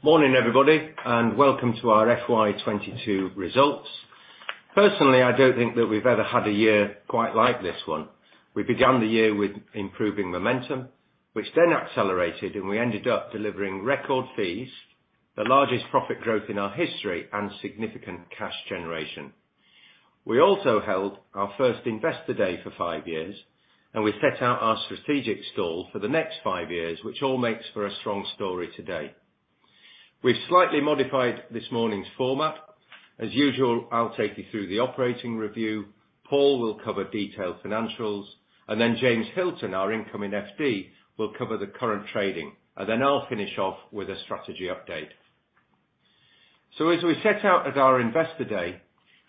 Morning, everybody, and welcome to our FY2022 results. Personally, I don't think that we've ever had a year quite like this one. We began the year with improving momentum, which then accelerated, and we ended up delivering record fees, the largest profit growth in our history, and significant cash generation. We also held our first Investor Day for five years, and we set out our strategic stall for the next five years, which all makes for a strong story today. We've slightly modified this morning's format. As usual, I'll take you through the operating review, Paul will cover detailed financials, and then James Hilton, our incoming FD, will cover the current trading, and then I'll finish off with a strategy update. As we set out at our Investor Day,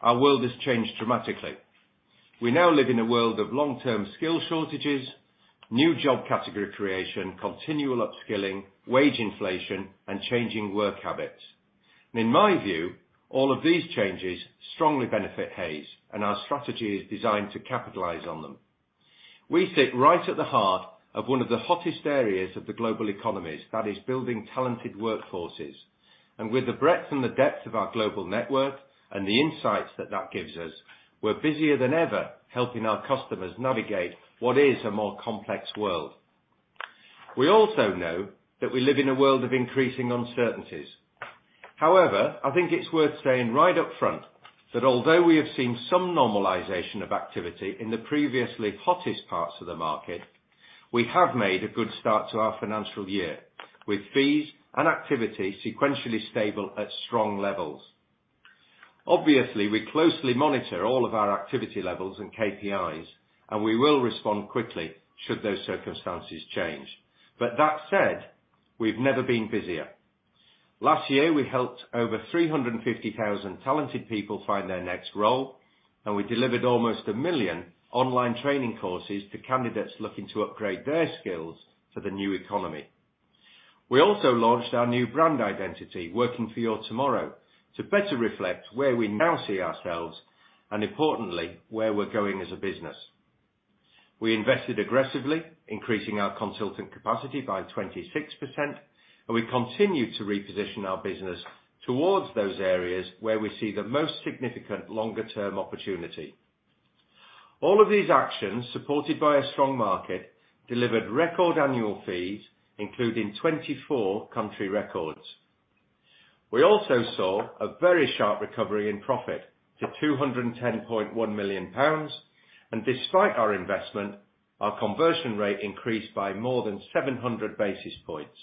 our world has changed dramatically. We now live in a world of long-term skill shortages, new job category creation, continual upskilling, wage inflation, and changing work habits. In my view, all of these changes strongly benefit Hays, and our strategy is designed to capitalize on them. We sit right at the heart of one of the hottest areas of the global economies, that is building talented workforces. With the breadth and the depth of our global network and the insights that that gives us, we're busier than ever helping our customers navigate what is a more complex world. We also know that we live in a world of increasing uncertainties. However, I think it's worth saying right up front that although we have seen some normalization of activity in the previously hottest parts of the market, we have made a good start to our financial year, with fees and activity sequentially stable at strong levels. Obviously, we closely monitor all of our activity levels and KPIs, and we will respond quickly should those circumstances change. But that said, we've never been busier. Last year, we helped over 350,000 talented people find their next role, and we delivered almost 1 million online training courses to candidates looking to upgrade their skills for the new economy. We also launched our new brand identity, Working for your tomorrow, to better reflect where we now see ourselves, and importantly, where we're going as a business. We invested aggressively, increasing our consultant capacity by 26%, and we continue to reposition our business towards those areas where we see the most significant longer term opportunity. All of these actions, supported by a strong market, delivered record annual fees, including 24 country records. We also saw a very sharp recovery in profit to 210.1 million pounds, and despite our investment, our conversion rate increased by more than 700 basis points.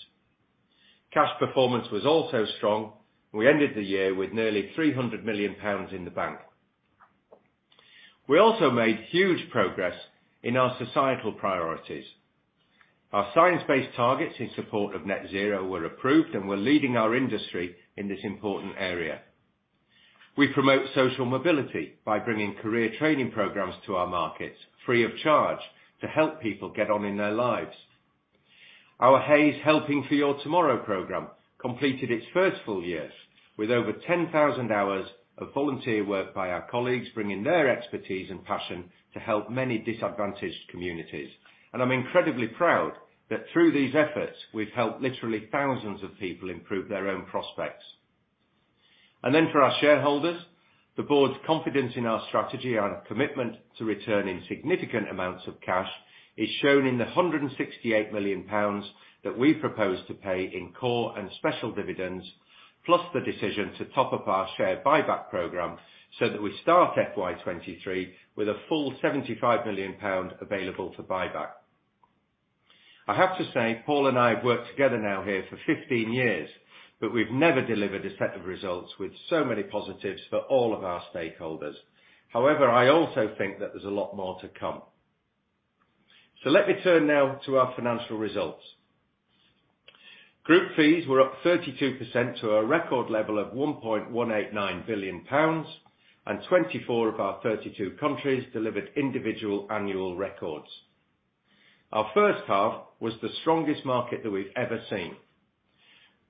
Cash performance was also strong. We ended the year with nearly 300 million pounds in the bank. We also made huge progress in our societal priorities. Our science-based targets in support of Net Zero were approved, and we're leading our industry in this important area. We promote social mobility by bringing career training programs to our markets free of charge to help people get on in their lives. Our Hays Helping for Your Tomorrow program completed its first full year with over 10,000 hours of volunteer work by our colleagues, bringing their expertise and passion to help many disadvantaged communities. I'm incredibly proud that through these efforts, we've helped literally thousands of people improve their own prospects. For our shareholders, the board's confidence in our strategy, our commitment to return in significant amounts of cash, is shown in the 168 million pounds that we propose to pay in core and special dividends, plus the decision to top up our share buyback program so that we start FY2023 with a full 75 million pound available for buyback. I have to say, Paul and I have worked together now here for 15 years, but we've never delivered a set of results with so many positives for all of our stakeholders. However, I also think that there's a lot more to come. Let me turn now to our financial results. Group fees were up 32% to a record level of GBP 1.189 billion, and 24 of our 32 countries delivered individual annual records. Our first half was the strongest market that we've ever seen.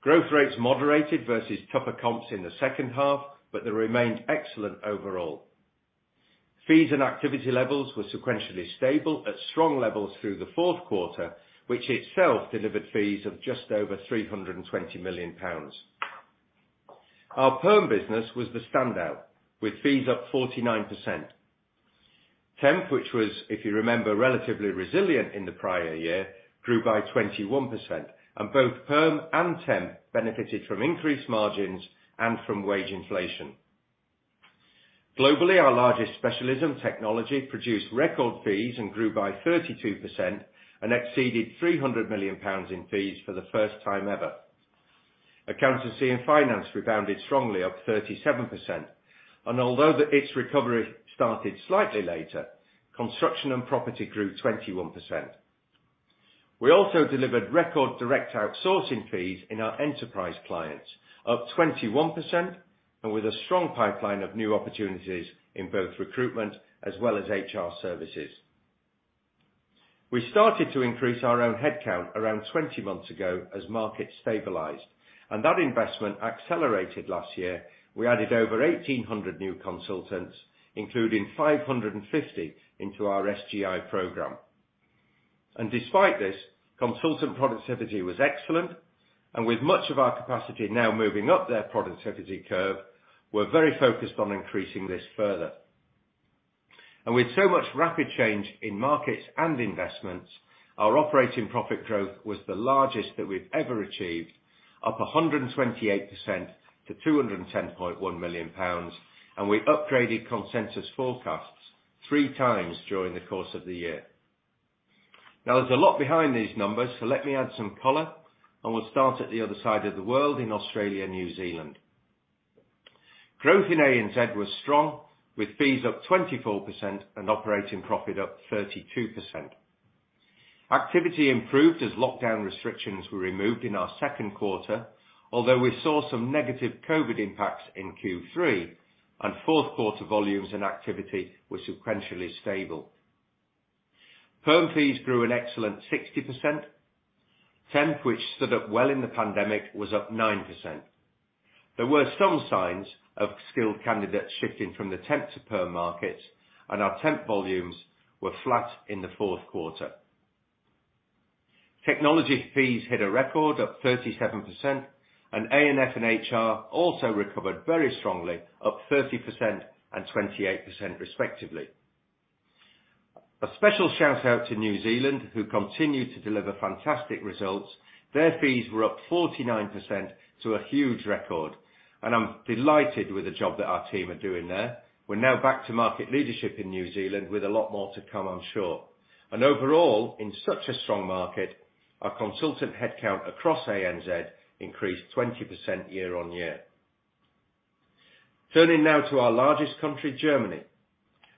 Growth rates moderated versus tougher comps in the second half, but they remained excellent overall. Fees and activity levels were sequentially stable at strong levels through the fourth quarter, which itself delivered fees of just over 320 million pounds. Our Perm business was the standout, with fees up 49%. Temp, which was, if you remember, relatively resilient in the prior year, grew by 21%, and both Perm and Temp benefited from increased margins and from wage inflation. Globally, our largest specialism, technology, produced record fees and grew by 32% and exceeded 300 million pounds in fees for the first time ever. Accountancy and finance rebounded strongly, up 37%. Although its recovery started slightly later, construction and property grew 21%. We also delivered record direct outsourcing fees in our enterprise clients, up 21% and with a strong pipeline of new opportunities in both recruitment as well as HR services. We started to increase our own headcount around 20 months ago as markets stabilized, and that investment accelerated last year. We added over 1,800 new consultants, including 550 into our SGI program. Despite this, consultant productivity was excellent, and with much of our capacity now moving up their productivity curve, we're very focused on increasing this further. With so much rapid change in markets and investments, our operating profit growth was the largest that we've ever achieved, up 128% to 210.1 million pounds, and we upgraded consensus forecasts three times during the course of the year. Now, there's a lot behind these numbers, so let me add some color, and we'll start at the other side of the world in Australia and New Zealand. Growth in ANZ was strong, with fees up 24% and operating profit up 32%. Activity improved as lockdown restrictions were removed in our second quarter, although we saw some negative COVID impacts in Q3, and fourth quarter volumes and activity were sequentially stable. Perm fees grew an excellent 60%. Temp, which stood up well in the pandemic, was up 9%. There were some signs of skilled candidates shifting from the temp to perm markets, and our temp volumes were flat in the fourth quarter. Technology fees hit a record, up 37%, and A&F and HR also recovered very strongly, up 30% and 28% respectively. A special shout-out to New Zealand, who continue to deliver fantastic results. Their fees were up 49% to a huge record, and I'm delighted with the job that our team are doing there. We're now back to market leadership in New Zealand with a lot more to come, I'm sure. Overall, in such a strong market, our consultant headcount across ANZ increased 20% year-over-year. Turning now to our largest country, Germany.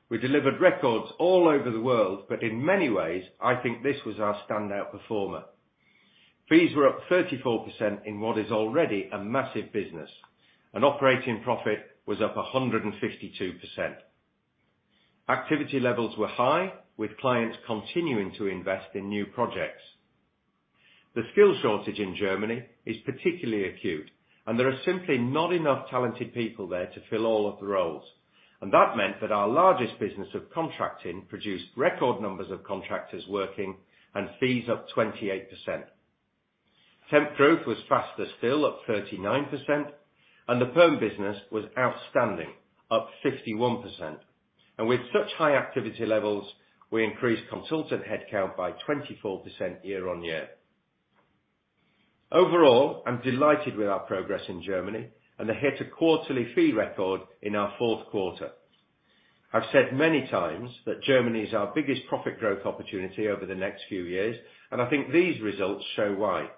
We delivered records all over the world, but in many ways, I think this was our standout performer. Fees were up 34% in what is already a massive business, and operating profit was up 152%. Activity levels were high, with clients continuing to invest in new projects. The skill shortage in Germany is particularly acute, and there are simply not enough talented people there to fill all of the roles. That meant that our largest business of contracting produced record numbers of contractors working and fees up 28%. Temp growth was faster still at 39%, and the perm business was outstanding, up 51%. With such high activity levels, we increased consultant headcount by 24% year-on-year. Overall, I'm delighted with our progress in Germany and hitting a quarterly fee record in our fourth quarter. I've said many times that Germany is our biggest profit growth opportunity over the next few years, and I think these results show why.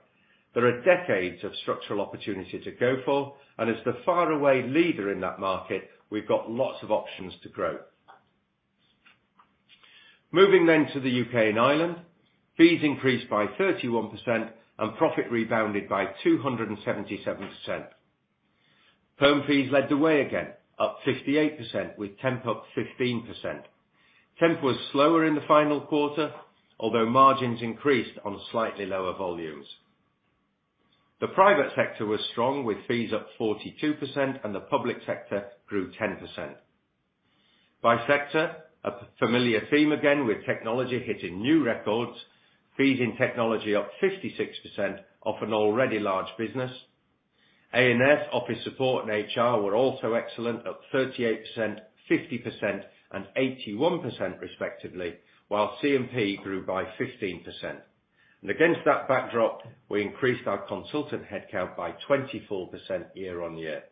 There are decades of structural opportunity to go for, and as the far away leader in that market, we've got lots of options to grow. Moving to the U.K. and Ireland. Fees increased by 31%, and profit rebounded by 277%. Perm fees led the way again, up 58%, with temp up 15%. Temp was slower in the final quarter, although margins increased on slightly lower volumes. The private sector was strong, with fees up 42%, and the public sector grew 10%. By sector, a familiar theme again, with technology hitting new records, fees in technology up 56% off an already large business. A&F, office support and HR were also excellent, up 38%, 50%, and 81% respectively, while C&P grew by 15%. Against that backdrop, we increased our consultant headcount by 24% year-on-year.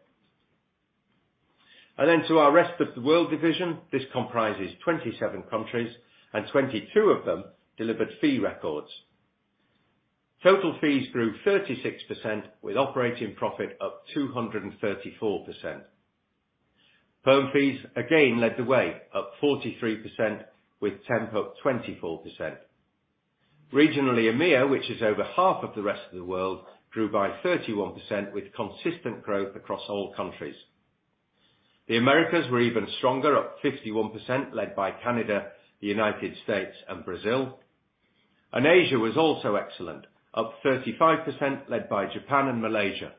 To our rest of the world division, this comprises 27 countries, and 22 of them delivered record fees. Total fees grew 36% with operating profit up 234%. Perm fees again led the way, up 43%, with temp up 24%. Regionally, EMEA, which is over half of the rest of the world, grew by 31% with consistent growth across all countries. The Americas were even stronger, up 51%, led by Canada, the United States and Brazil. Asia was also excellent, up 35%, led by Japan and Malaysia.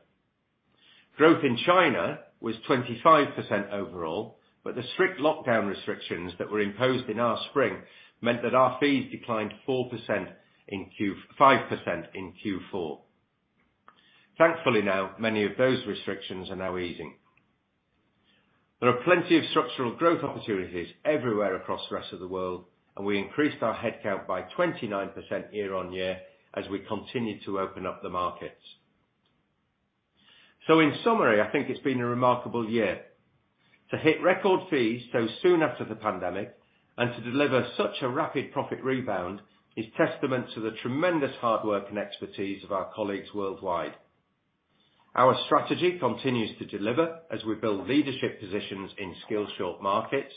Growth in China was 25% overall, but the strict lockdown restrictions that were imposed in our spring meant that our fees declined 4% in Q4. Thankfully now, many of those restrictions are now easing. There are plenty of structural growth opportunities everywhere across the rest of the world, and we increased our headcount by 29% year-on-year as we continue to open up the markets. In summary, I think it's been a remarkable year. To hit record fees so soon after the pandemic and to deliver such a rapid profit rebound is testament to the tremendous hard work and expertise of our colleagues worldwide. Our strategy continues to deliver as we build leadership positions in skill short markets.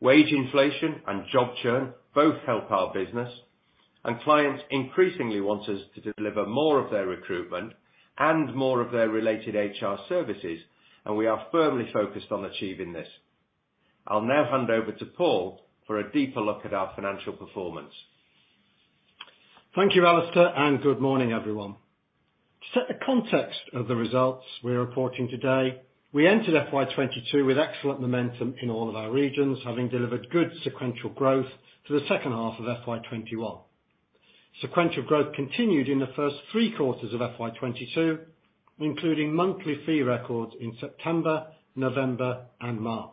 Wage inflation and job churn both help our business. Clients increasingly want us to deliver more of their recruitment and more of their related HR services, and we are firmly focused on achieving this. I'll now hand over to Paul for a deeper look at our financial performance. Thank you, Alistair, and good morning, everyone. To set the context of the results we're reporting today, we entered FY 2022 with excellent momentum in all of our regions, having delivered good sequential growth to the second half of FY 2021. Sequential growth continued in the first three quarters of FY 2022, including monthly fee records in September, November, and March.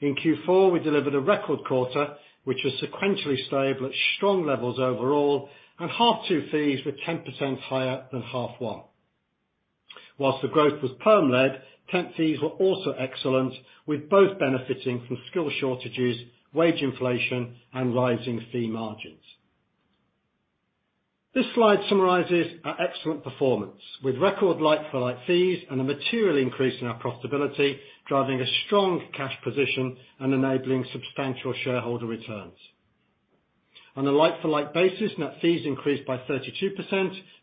In Q4, we delivered a record quarter, which was sequentially stable at strong levels overall, and half two fees were 10% higher than half one. While the growth was perm-led, temp fees were also excellent, with both benefiting from skill shortages, wage inflation, and rising fee margins. This slide summarizes our excellent performance with record like-for-like fees and a material increase in our profitability, driving a strong cash position and enabling substantial shareholder returns. On a like-for-like basis, net fees increased by 32%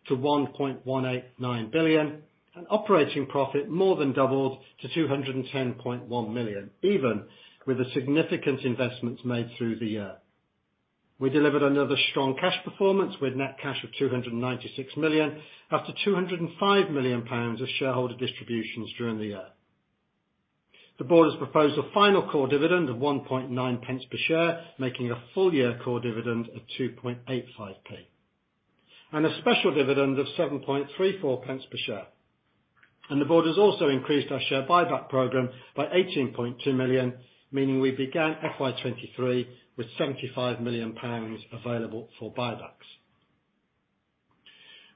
to 1.189 billion, and operating profit more than doubled to 210.1 million, even with the significant investments made through the year. We delivered another strong cash performance with net cash of 296 million after 205 million pounds of shareholder distributions during the year. The board has proposed a final core dividend of 0.019 per share, making a full year core dividend of 0.0285, and a special dividend of 0.0734 per share. The board has also increased our share buyback program by 18.2 million, meaning we began FY2023 with 75 million pounds available for buybacks.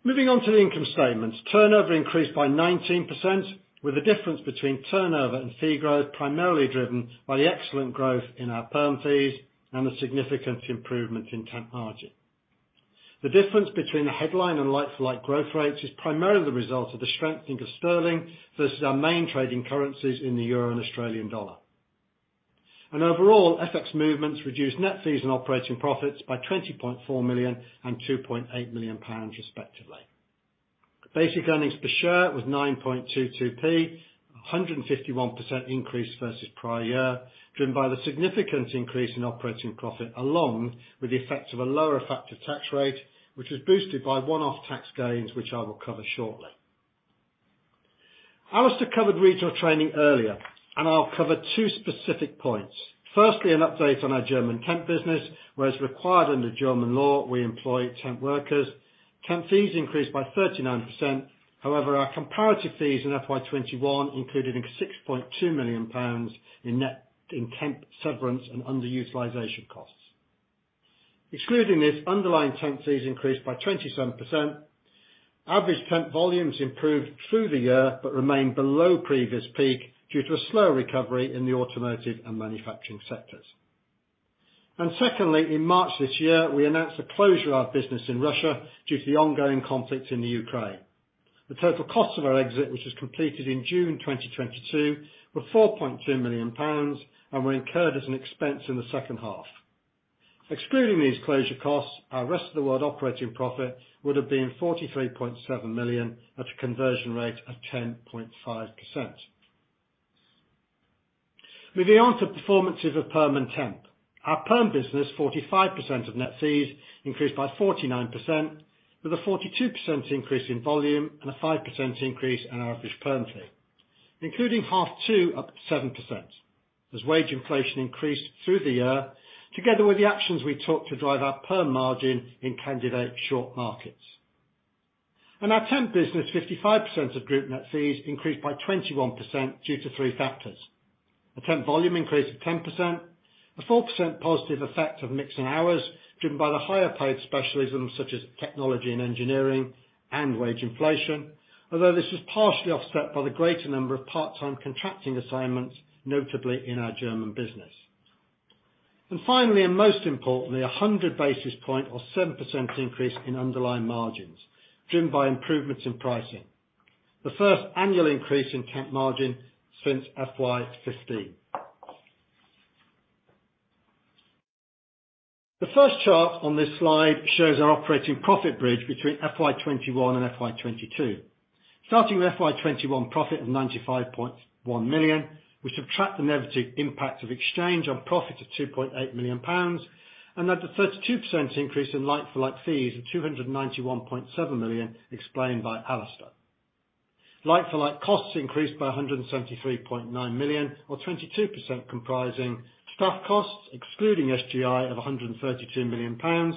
Moving on to the income statement. Turnover inreased by 19%, with the difference between turnover and fee growth primarily driven by the excellent growth in our perm fees and the significant improvements in temp margin. The difference between the headline and like-for-like growth rates is primarily the result of the strengthening of sterling versus our main trading currencies in the euro and Australian dollar. Overall, FX movements reduced net fees and operating profits by 20.4 million and 2.8 million pounds respectively. Basic earnings per share was 9.22p, a 151% increase versus prior year, driven by the significant increase in operating profit, along with the effect of a lower effective tax rate which was boosted by one-off tax gains which I will cover shortly. Alistair covered regional trading earlier, and I'll cover two specific points. Firstly, an update on our German temp business, where as required under German law, we employ temp workers. Temp fees increased by 39%. However, our comparative fees in FY2021 included a 6.2 million pounds in temp severance and underutilization costs. Excluding this, underlying temp fees increased by 27%. Average temp volumes improved through the year but remained below previous peak due to a slow recovery in the automotive and manufacturing sectors. Secondly, in March this year, we announced the closure of business in Russia due to the ongoing conflict in the Ukraine. The total cost of our exit, which was completed in June 2022, were 4.2 million pounds and were incurred as an expense in the second half. Excluding these closure costs, our rest of the world operating profit would have been 43.7 million at a conversion rate of 10.5%. Moving on to the performances of perm and temp. Our perm business, 45% of net fees, increased by 49% with a 42% increase in volume and a 5% increase in our average perm fee, including H2 up 7% as wage inflation increased through the year together with the actions we took to drive our perm margin in candidate short markets. In our temp business, 55% of group net fees increased by 21% due to three factors. A temp volume increase of 10%, a 4% positive effect of mixing hours driven by the higher paid specialisms such as technology and engineering and wage inflation, although this is partially offset by the greater number of part-time contracting assignments, notably in our German business. Finally, and most importantly, a 100 basis point or 7% increase in underlying margins driven by improvements in pricing. The first annual increase in temp margin since FY2015. The first chart on this slide shows our operating profit bridge between FY2021 and FY2022. Starting with FY2021 profit of 95.1 million, we subtract the negative impact of exchange on profit of 2.8 million pounds and add the 32% increase in like-for-like fees of 291.7 million explained by Alistair. Like-for-like costs increased by 173.9 million or 22% comprising staff costs, excluding SGI, of 132 million pounds,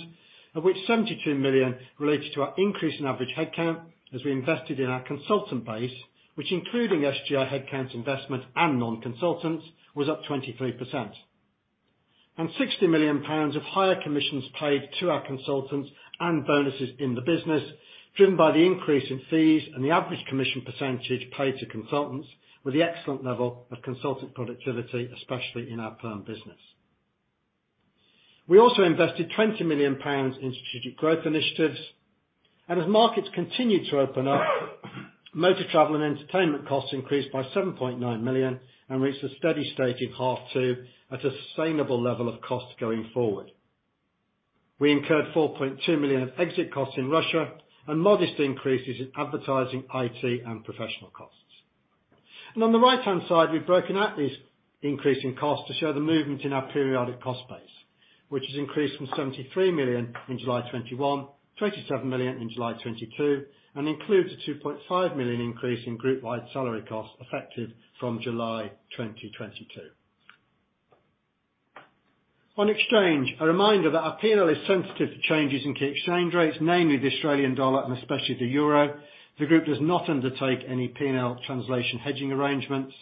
of which 72 million relates to our increase in average headcount as we invested in our consultant base, which including SGI headcount investment and non-consultants, was up 23%. 60 million pounds of higher commissions paid to our consultants and bonuses in the business, driven by the increase in fees and the average commission percentage paid to consultants with the excellent level of consultant productivity, especially in our perm business. We also invested 20 million pounds in strategic growth initiatives. As markets continued to open up, motor travel and entertainment costs increased by 7.9 million and reached a steady state in half two at a sustainable level of cost going forward. We incurred 4.2 million of exit costs in Russia and modest increases in advertising, IT, and professional costs. On the right-hand side, we've broken out these increasing costs to show the movement in our periodic cost base, which has increased from 73 million in July 2021, 77 million in July 2022, and includes a 2.5 million increase in group-wide salary costs effective from July 2022. On exchange, a reminder that our P&L is sensitive to changes in key exchange rates, namely the Australian dollar and especially the euro. The group does not undertake any P&L translation hedging arrangements.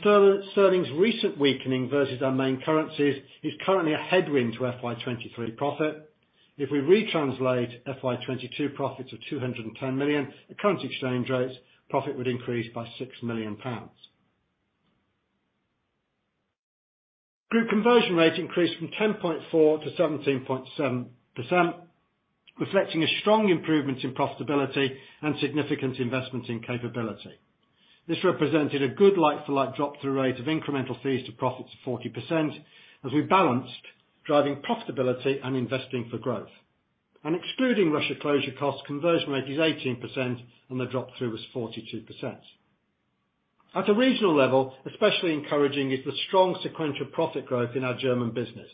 Sterling's recent weakening versus our main currencies is currently a headwind to FY 2023 profit. If we retranslate FY 2022 profits of 210 million, the current exchange rates profit would increase by 6 million pounds. Group conversion rate increased from 10.4% to 17.7%, reflecting a strong improvement in profitability and significant investment in capability. This represented a good like-for-like drop through rate of incremental fees to profits of 40% as we balanced driving profitability and investing for growth. Excluding Russia closure costs, conversion rate is 18% and the drop through was 42%. At a regional level, especially encouraging is the strong sequential profit growth in our German business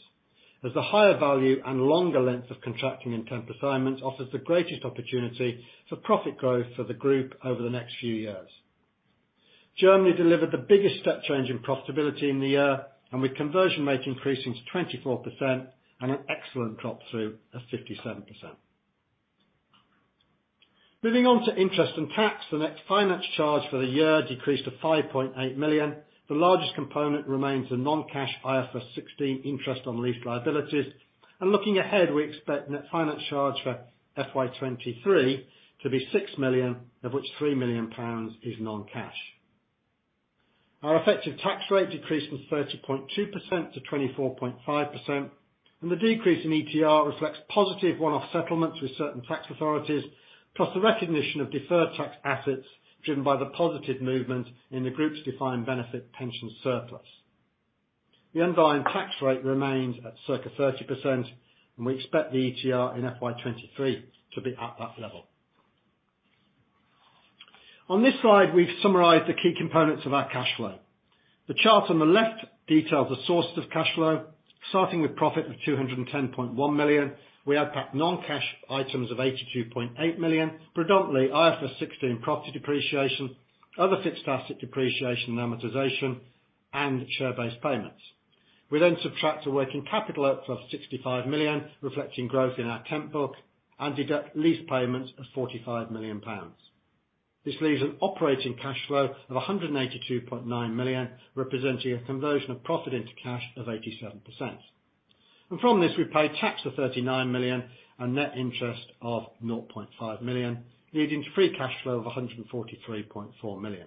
as the higher value and longer length of contracting in temp assignments offers the greatest opportunity for profit growth for the group over the next few years. Germany delivered the biggest step change in profitability in the year and with conversion rate increasing to 24% and an excellent drop through of 57%. Moving on to interest and tax, the net finance charge for the year decreased to 5.8 million. The largest component remains a non-cash IFRS 16 interest on lease liabilities. Looking ahead, we expect net finance charge for FY2023 to be 6 million, of which 3 million pounds is non-cash. Our effective tax rate decreased from 30.2%-24.5%, and the decrease in ETR reflects positive one-off settlements with certain tax authorities, plus the recognition of deferred tax assets driven by the positive movement in the group's defined benefit pension surplus. The underlying tax rate remains at circa 30%, and we expect the ETR in FY2023 to be at that level. On this slide, we've summarized the key components of our cash flow. The chart on the left details the sources of cash flow, starting with profit of 210.1 million. We add back non-cash items of 82.8 million, predominantly IFRS 16 property depreciation, other fixed asset depreciation and amortization, and share-based payments. We then subtract a working capital outflow of 65 million, reflecting growth in our temp book and deduct lease payments of 45 million pounds. This leaves an operating cash flow of 182.9 million, representing a conversion of profit into cash of 87%. From this, we pay tax of 39 million and net interest of 0.5 million, leading to free cash flow of 143.4 million.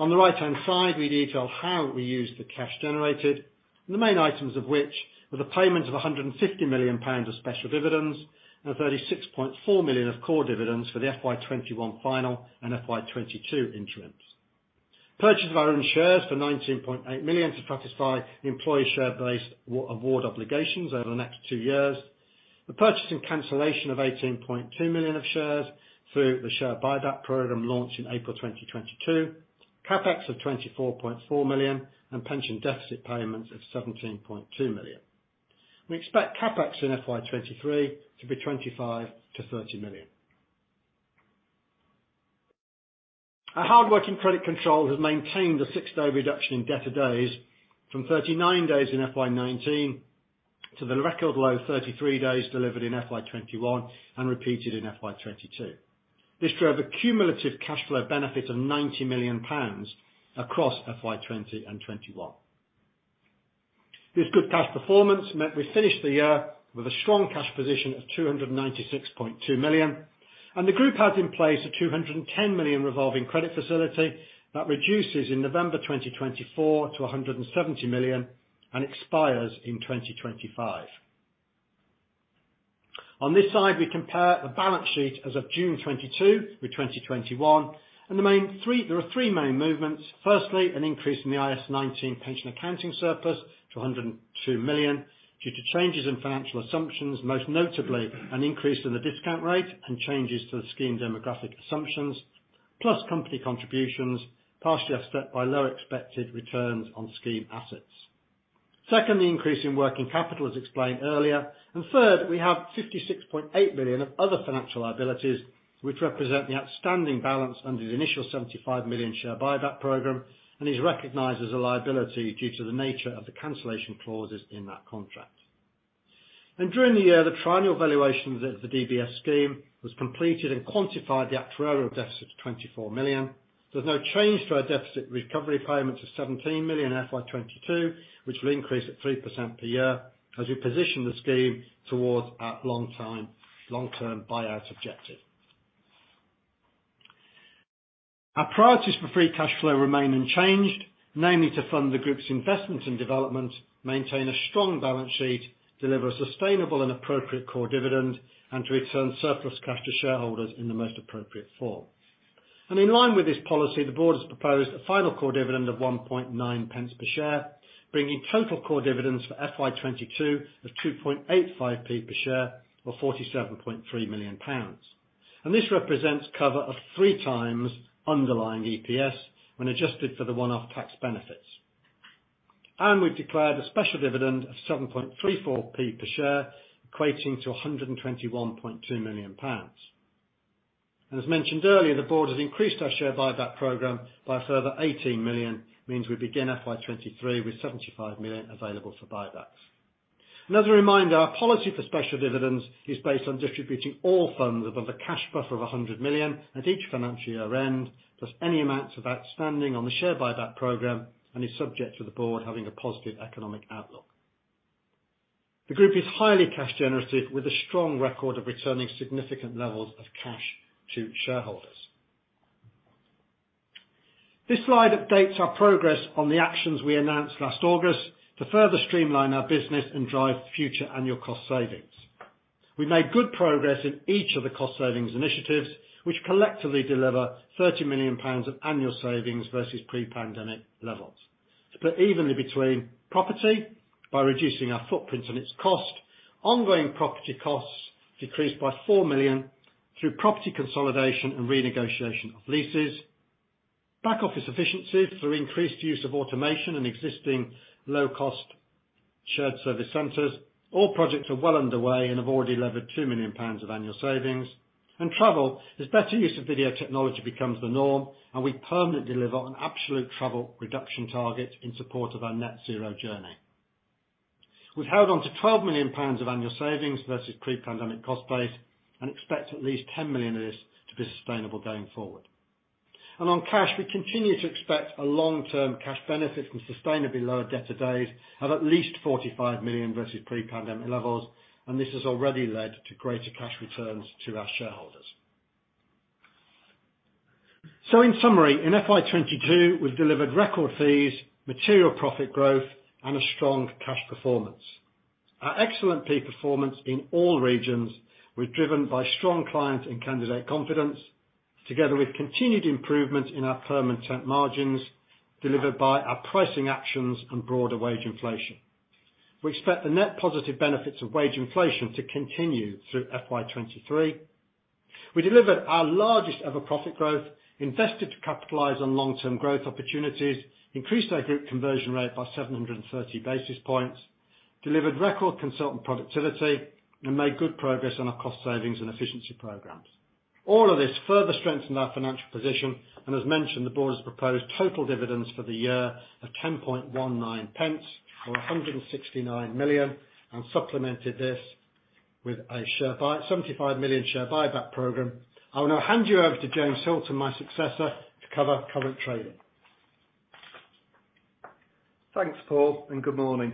On the right-hand side, we detail how we use the cash generated, and the main items of which were the payment of 150 million pounds of special dividends and 36.4 million of core dividends for the FY2021 final and FY2022 interims. Purchase of our own shares for 19.8 million to satisfy the employee share based award obligations over the next two years. The purchase and cancellation of 18.2 million of shares through the share buyback program launched in April 2022. CapEx of 24.4 million and pension deficit payments of 17.2 million. We expect CapEx in FY2023 to be 25-30 million. Our hardworking credit control has maintained a 6-day reduction in debtor days from 39 days in FY2019 to the record low of 33 days delivered in FY2021 and repeated in FY2022. This drove a cumulative cash flow benefit of 90 million pounds across FY20 and FY2021. This good cash performance meant we finished the year with a strong cash position of 296.2 million, and the group has in place a 210 million revolving credit facility that reduces in November 2024 to a 170 million and expires in 2025. On this side, we compare the balance sheet as of June 2022 with 2021. There are three main movements. Firstly, an increase in the IAS 19 pension accounting surplus to 102 million due to changes in financial assumptions, most notably an increase in the discount rate and changes to the scheme demographic assumptions, plus company contributions, partially offset by lower expected returns on scheme assets. Second, the increase in working capital as explained earlier. Third, we have 56.8 million of other financial liabilities which represent the outstanding balance under the initial 75 million share buyback program and is recognized as a liability due to the nature of the cancellation clauses in that contract. During the year, the triennial valuations of the DB scheme was completed and quantified the actuarial deficit of 24 million. There's no change to our deficit recovery payments of 17 million in FY 2022, which will increase at 3% per year as we position the scheme towards our long-term buyout objective. Our priorities for free cash flow remain unchanged, namely to fund the group's investments and development, maintain a strong balance sheet, deliver sustainable and appropriate core dividend, and to return surplus cash to shareholders in the most appropriate form. In line with this policy, the board has proposed a final core dividend of 1.9 pence per share, bringing total core dividends for FY 2022 of 2.85p per share or 47.3 million pounds. This represents cover of three times underlying EPS when adjusted for the one-off tax benefits. We've declared a special dividend of 7.34p per share, equating to 121.2 million pounds. As mentioned earlier, the board has increased our share buyback program by a further 18 million, means we begin FY2023 with 75 million available for buybacks. Another reminder, our policy for special dividends is based on distributing all funds above the cash buffer of 100 million at each financial year-end, plus any amounts outstanding on the share buyback program, and is subject to the board having a positive economic outlook. The group is highly cash generative with a strong record of returning significant levels of cash to shareholders. This slide updates our progress on the actions we announced last August to further streamline our business and drive future annual cost savings. We made good progress in each of the cost savings initiatives, which collectively deliver 30 million pounds of annual savings versus pre-pandemic levels. Split evenly between property, by reducing our footprint and its cost. Ongoing property costs decreased by 4 million through property consolidation and renegotiation of leases. Back office efficiencies through increased use of automation and existing low-cost shared service centers. All projects are well underway and have already leveraged 2 million pounds of annual savings. Travel, as better use of video technology becomes the norm, and we permanently deliver on absolute travel reduction targets in support of our Net Zero journey. We've held on to 12 million pounds of annual savings versus pre-pandemic cost base, and expect at least 10 million of this to be sustainable going forward. On cash, we continue to expect a long-term cash benefit from sustainably lower debt to date of at least 45 million versus pre-pandemic levels, and this has already led to greater cash returns to our shareholders. In summary, in FY 2022, we've delivered record fees, material profit growth, and a strong cash performance. Our excellent fee performance in all regions was driven by strong client and candidate confidence, together with continued improvement in our perm and temp margins, delivered by our pricing actions and broader wage inflation. We expect the net positive benefits of wage inflation to continue through FY 2023. We delivered our largest ever profit growth, invested to capitalize on long-term growth opportunities, increased our group conversion rate by 730 basis points, delivered record consultant productivity, and made good progress on our cost savings and efficiency programs. All of this further strengthened our financial position, and as mentioned, the board has proposed total dividends for the year of 0.1019 or 169 million and supplemented this with a 75 million share buyback program. I will now hand you over to James Hilton, my successor, to cover current trading. Thanks, Paul, and good morning.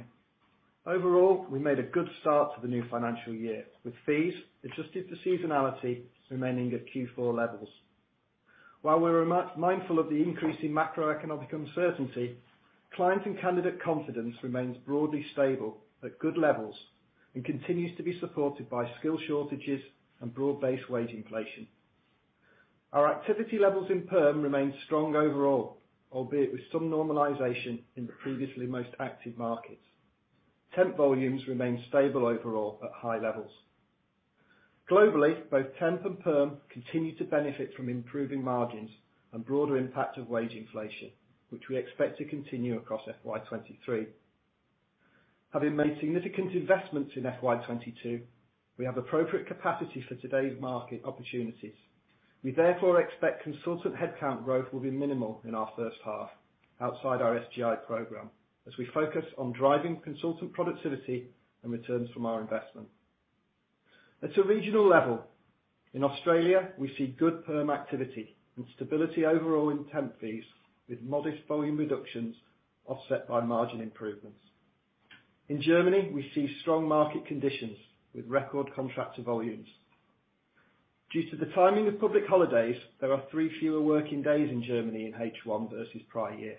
Overall, we made a good start to the new financial year, with fees adjusted to seasonality remaining at Q4 levels. While we're mindful of the increasing macroeconomic uncertainty, client and candidate confidence remains broadly stable at good levels and continues to be supported by skill shortages and broad-based wage inflation. Our activity levels in perm remain strong overall, albeit with some normalization in the previously most active markets. Temp volumes remain stable overall at high levels. Globally, both temp and perm continue to benefit from improving margins and broader impact of wage inflation, which we expect to continue across FY2023. Having made significant investments in FY2022, we have appropriate capacity for today's market opportunities. We therefore expect consultant headcount growth will be minimal in our first half outside our SGI program, as we focus on driving consultant productivity and returns from our investment. At a regional level, in Australia, we see good perm activity and stability overall in temp fees, with modest volume reductions offset by margin improvements. In Germany, we see strong market conditions with record contractor volumes. Due to the timing of public holidays, there are three fewer working days in Germany in H1 versus prior year,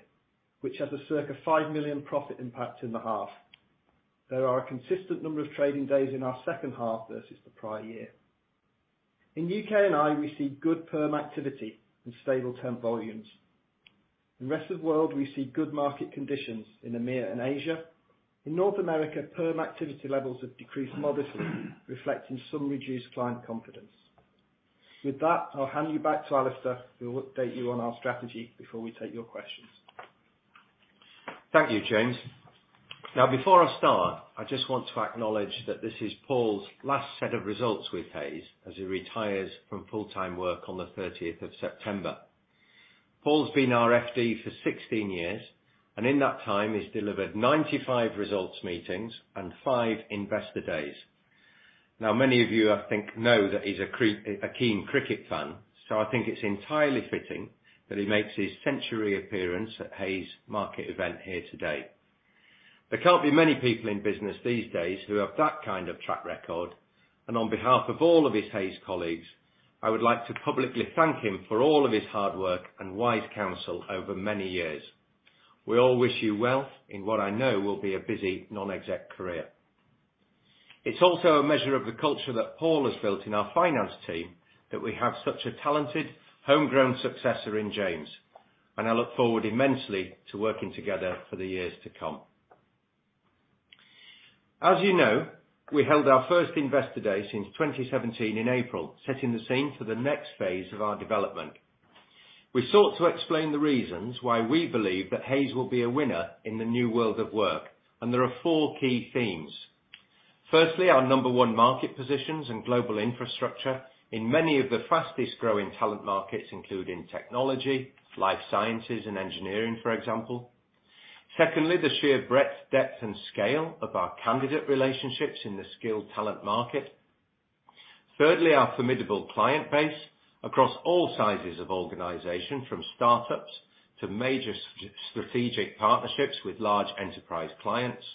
which has a circa 5 million profit impact in the half. There are a consistent number of trading days in our second half versus the prior year. In UK&I, we see good perm activity and stable temp volumes. In rest of the world, we see good market conditions in EMEA and Asia. In North America, perm activity levels have decreased modestly, reflecting some reduced client confidence. With that, I'll hand you back to Alistair, who will update you on our strategy before we take your questions. Thank you, James. Now, before I start, I just want to acknowledge that this is Paul's last set of results with Hays as he retires from full-time work on the thirtieth of September. Paul's been our FD for 16 years, and in that time he's delivered 95 results meetings and five Investor Days. Now, many of you, I think, know that he's a keen cricket fan, so I think it's entirely fitting that he makes his century appearance at Hays' market event here today. There can't be many people in business these days who have that kind of track record. On behalf of all of his Hays colleagues, I would like to publicly thank him for all of his hard work and wise counsel over many years. We all wish you well in what I know will be a busy non-exec career. It's also a measure of the culture that Paul has built in our finance team that we have such a talented homegrown successor in James, and I look forward immensely to working together for the years to come. As you know, we held our first Investor Day since 2017 in April, setting the scene for the next phase of our development. We sought to explain the reasons why we believe that Hays will be a winner in the new world of work, and there are four key themes. Firstly, our number one market positions in global infrastructure in many of the fastest-growing talent markets, including technology, life sciences, and engineering, for example. Secondly, the sheer breadth, depth, and scale of our candidate relationships in the skilled talent market. Thirdly, our formidable client base across all sizes of organization, from startups to major strategic partnerships with large enterprise clients.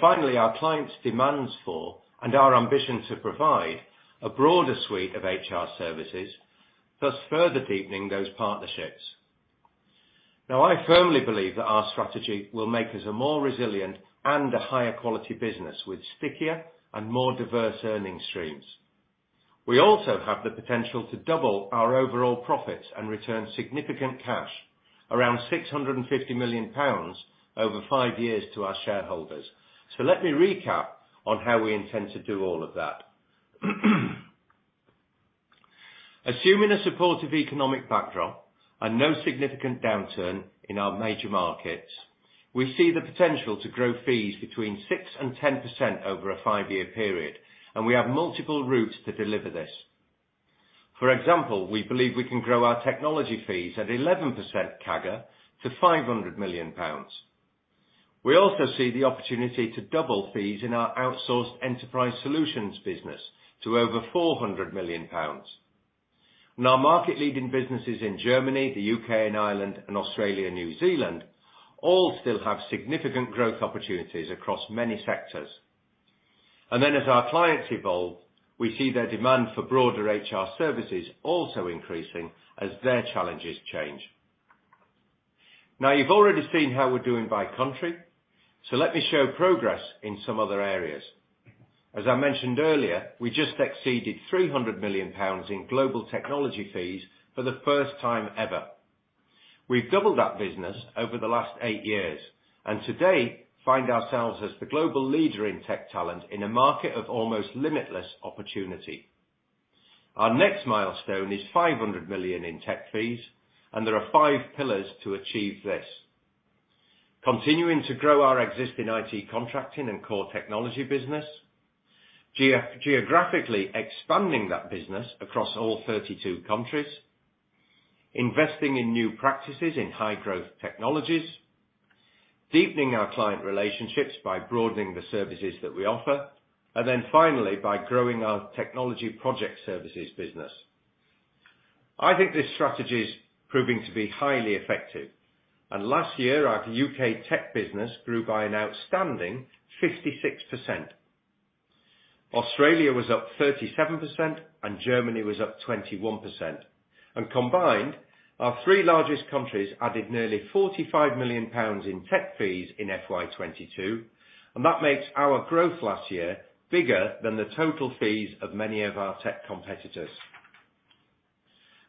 Finally, our clients' demands for, and our ambition to provide a broader suite of HR services, thus further deepening those partnerships. Now, I firmly believe that our strategy will make us a more resilient and a higher quality business with stickier and more diverse earning streams. We also have the potential to double our overall profits and return significant cash, around 650 million pounds, over five years to our shareholders. Let me recap on how we intend to do all of that. Assuming a supportive economic backdrop and no significant downturn in our major markets, we see the potential to grow fees 6%-10% over a five-year period, and we have multiple routes to deliver this. For example, we believe we can grow our technology fees at 11% CAGR to 500 million pounds. We also see the opportunity to double fees in our outsourced enterprise solutions business to over 400 million pounds. Our market-leading businesses in Germany, the U.K. and Ireland, and Australia and New Zealand all still have significant growth opportunities across many sectors. As our clients evolve, we see their demand for broader HR services also increasing as their challenges change. Now, you've already seen how we're doing by country, so let me show progress in some other areas. As I mentioned earlier, we just exceeded 300 million pounds in global technology fees for the first time ever. We've doubled that business over the last eight years, and today find ourselves as the global leader in tech talent in a market of almost limitless opportunity. Our next milestone is 500 million in tech fees, and there are five pillars to achieve this. Continuing to grow our existing IT contracting and core technology business. Geographically expanding that business across all 32 countries. Investing in new practices in high growth technologies. Deepening our client relationships by broadening the services that we offer. Then finally, by growing our technology project services business. I think this strategy is proving to be highly effective, and last year, our U.K. tech business grew by an outstanding 56%. Australia was up 37% and Germany was up 21%. Combined, our three largest countries added nearly 45 million pounds in tech fees in FY2022, and that makes our growth last year bigger than the total fees of many of our tech competitors.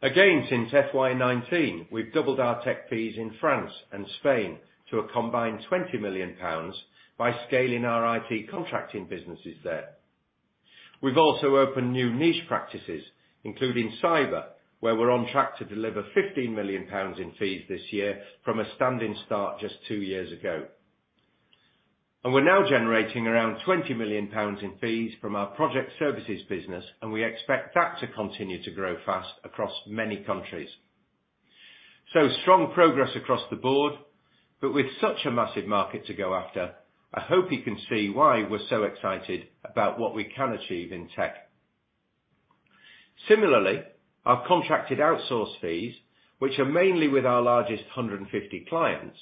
Again, since FY2019, we've doubled our tech fees in France and Spain to a combined 20 million pounds by scaling our IT contracting businesses there. We've also opened new niche practices, including cyber, where we're on track to deliver 15 million pounds in fees this year from a standing start just two years ago. We're now generating around 20 million pounds in fees from our project services business, and we expect that to continue to grow fast across many countries. Strong progress across the board, but with such a massive market to go after, I hope you can see why we're so excited about what we can achieve in tech. Similarly, our contracted outsource fees, which are mainly with our largest 150 clients,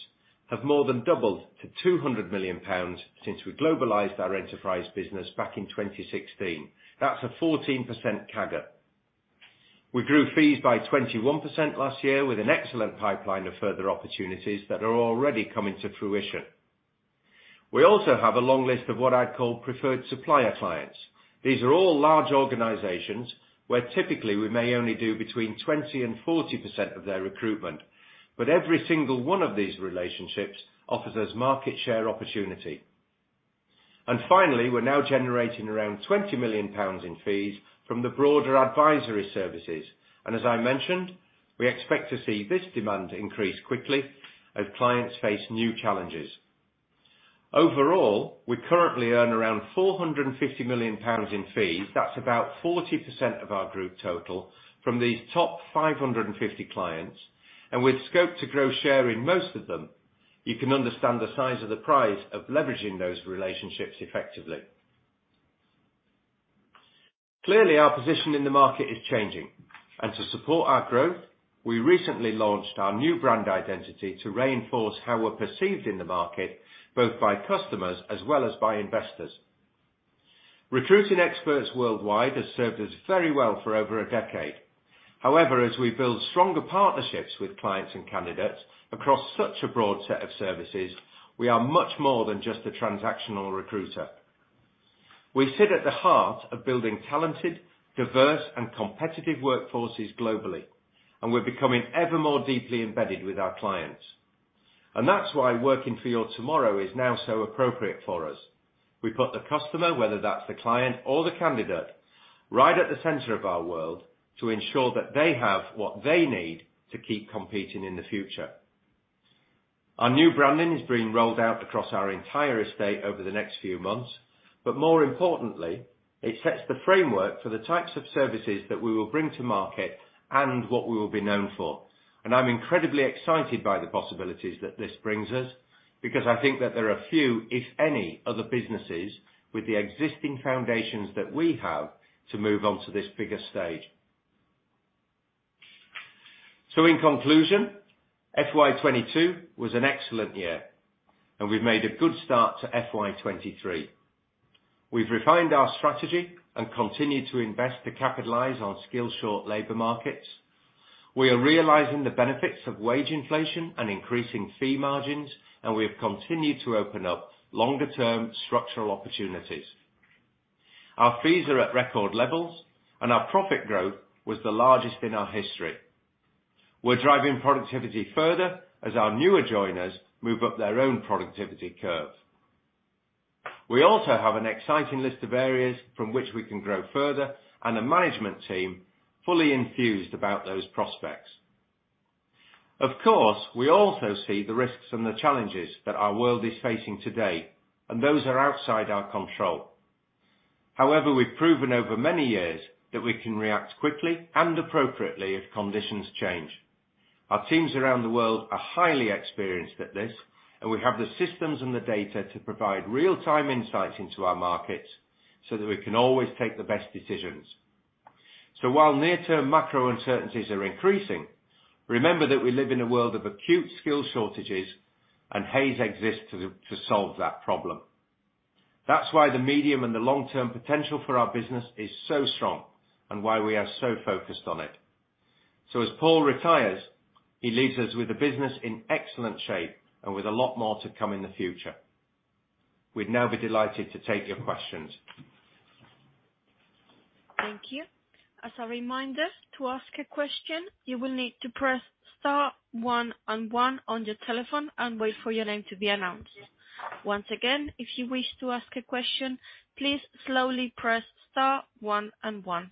have more than doubled to 200 million pounds since we globalized our enterprise business back in 2016. That's a 14% CAGR. We grew fees by 21% last year with an excellent pipeline of further opportunities that are already coming to fruition. We also have a long list of what I'd call preferred supplier clients. These are all large organizations where typically we may only do between 20% and 40% of their recruitment, but every single one of these relationships offers us market share opportunity. Finally, we're now generating around 20 million pounds in fees from the broader advisory services. As I mentioned, we expect to see this demand increase quickly as clients face new challenges. Overall, we currently earn around 450 million pounds in fees. That's about 40% of our group total from these top 550 clients, and with scope to grow share in most of them, you can understand the size of the prize of leveraging those relationships effectively. Clearly, our position in the market is changing. To support our growth, we recently launched our new brand identity to reinforce how we're perceived in the market, both by customers as well as by investors. Recruiting experts worldwide has served us very well for over a decade. However, as we build stronger partnerships with clients and candidates across such a broad set of services, we are much more than just a transactional recruiter. We sit at the heart of building talented, diverse, and competitive workforces globally, and we're becoming ever more deeply embedded with our clients. That's why Working for your tomorrow is now so appropriate for us. We put the customer, whether that's the client or the candidate, right at the center of our world to ensure that they have what they need to keep competing in the future. Our new branding is being rolled out across our entire estate over the next few months, but more importantly, it sets the framework for the types of services that we will bring to market and what we will be known for. I'm incredibly excited by the possibilities that this brings us, because I think that there are a few, if any, other businesses with the existing foundations that we have to move on to this bigger stage. In conclusion, FY2022 was an excellent year, and we've made a good start to FY2023. We've refined our strategy and continued to invest to capitalize on skill short labor markets. We are realizing the benefits of wage inflation and increasing fee margins, and we have continued to open up longer-term structural opportunities. Our fees are at record levels, and our profit growth was the largest in our history. We're driving productivity further as our newer joiners move up their own productivity curves. We also have an exciting list of areas from which we can grow further and a management team fully infused about those prospects. Of course, we also see the risks and the challenges that our world is facing today, and those are outside our control. However, we've proven over many years that we can react quickly and appropriately if conditions change. Our teams around the world are highly experienced at this, and we have the systems and the data to provide real-time insights into our markets so that we can always take the best decisions. While near-term macro uncertainties are increasing, remember that we live in a world of acute skill shortages, and Hays exists to solve that problem. That's why the medium and the long-term potential for our business is so strong and why we are so focused on it. As Paul retires, he leaves us with a business in excellent shape and with a lot more to come in the future. We'd now be delighted to take your questions. Thank you. As a reminder, to ask a question, you will need to press star one and one on your telephone and wait for your name to be announced. Once again, if you wish to ask a question, please slowly press star one and one.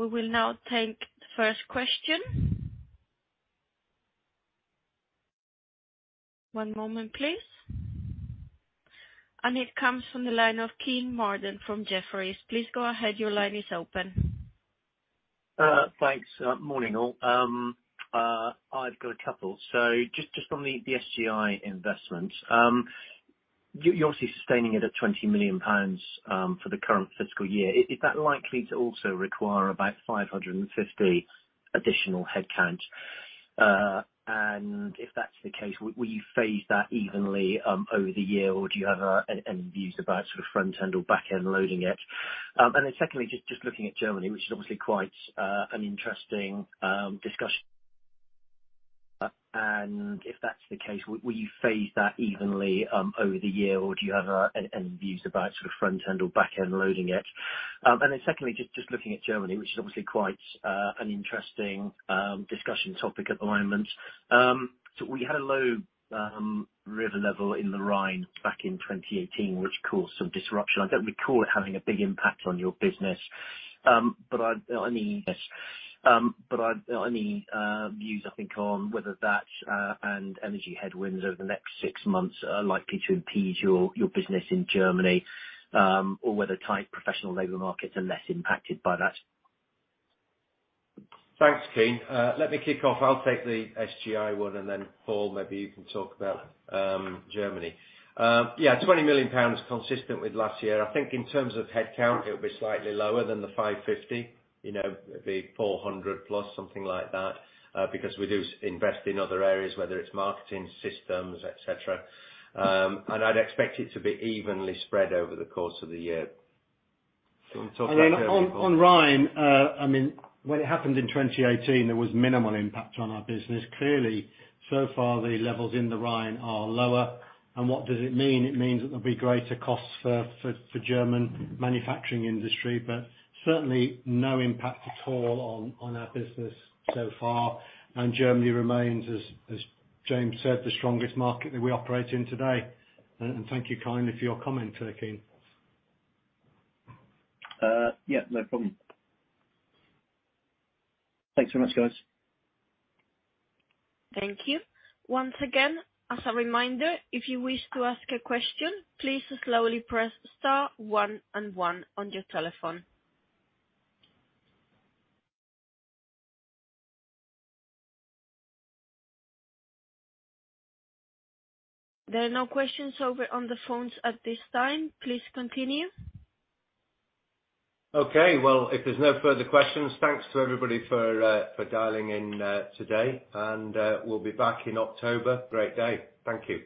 We will now take the first question. One moment, please. It comes from the line of Kean Marden from Jefferies. Please go ahead. Your line is open. Thanks. Morning, all. I've got a couple. Just on the SGI investment, you're obviously sustaining it at 20 million pounds for the current fiscal year. Is that likely to also require about 550 additional headcount? If that's the case, will you phase that evenly over the year, or do you have any views about sort of front-end or back-end loading it? Secondly, just looking at Germany, which is obviously quite an interesting discussion topic at the moment. We had a low river level in the Rhine back in 2018, which caused some disruption. I don't recall it having a big impact on your business, but I mean, yes. Views, I think, on whether that and energy headwinds over the next six months are likely to impede your business in Germany, or whether tight professional labor markets are less impacted by that. Thanks, Kean. Let me kick off. I'll take the SGI one, and then Paul, maybe you can talk about Germany. Yeah, 20 million pounds consistent with last year. I think in terms of headcount, it'll be slightly lower than the 550. You know, it'll be 400+, something like that, because we do invest in other areas, whether it's marketing, systems, et cetera. I'd expect it to be evenly spread over the course of the year. Do you wanna talk about Germany, Paul? When it happened in 2018, there was minimal impact on our business. Clearly, so far the levels in the Rhine are lower. What does it mean? It means that there'll be greater costs for German manufacturing industry, but certainly no impact at all on our business so far. Germany remains, as James said, the strongest market that we operate in today. Thank you kindly for your comment there, Kean. Yeah, no problem. Thanks very much, guys. Thank you. Once again, as a reminder, if you wish to ask a question, please slowly press star one and one on your telephone. There are no questions over on the phones at this time. Please continue. Okay. Well, if there's no further questions, thanks to everybody for dialing in today. We'll be back in October. Great day. Thank you.